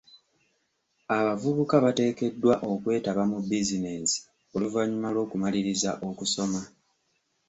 Abavubuka bateekeddwa okwetaba mu bizinensi oluvannyuma lw'okumaliriza okusoma.